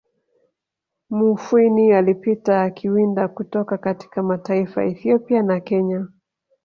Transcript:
Mufwimi alipita akiwinda kutoka katika mataifa Ethiopia na Kenya